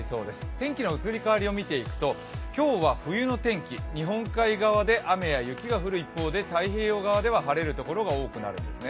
天気の移り変わりを見ていくと今日は冬の天気、日本海側で雨や雪が降る一方で太平洋側では晴れるところが多くなるんですね。